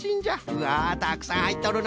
うわたくさんはいっとるのう。